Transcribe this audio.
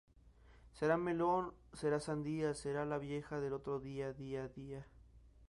Será melón, será sandía, será la vieja del otro día, día, día, día, día.